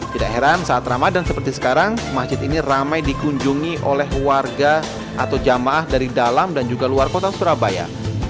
tidak heran saat ramadan seperti sekarang masjid ini ramai dikunjungi oleh warga atau jamaah dari dalam dan juga luar kota surabaya